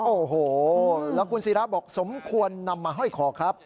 โอ้โหแล้วคุณศิราบอกสมควรนำมาห้อยคอครับ